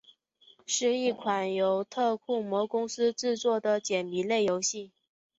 是一款由特库摩公司制作的解谜类游戏。